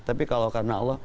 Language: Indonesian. tapi kalau karena allah